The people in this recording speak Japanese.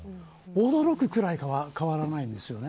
驚くぐらい変わらないんですよね。